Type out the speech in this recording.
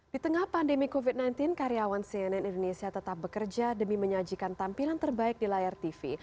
di tengah pandemi covid sembilan belas karyawan cnn indonesia tetap bekerja demi menyajikan tampilan terbaik di layar tv